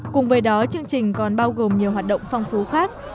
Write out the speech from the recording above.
cùng với đó chương trình còn bao gồm nhiều hoạt động phong phú khác